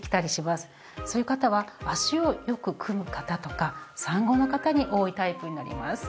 そういう方は脚をよく組む方とか産後の方に多いタイプになります。